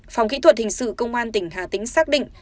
phòng kỹ thuật hình sự công an tỉnh hà tĩnh xác định